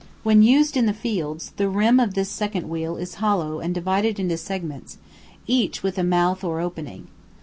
When used in the fields, the rim of this second wheel is hollow and divided into segments, each with a mouth or opening.